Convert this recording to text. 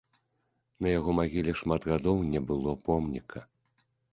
На яго магіле шмат гадоў не было помніка.